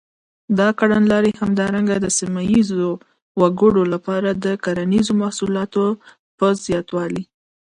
دا کړنلارې همدارنګه د سیمه ییزو وګړو لپاره د کرنیزو محصولاتو په زباتوالي.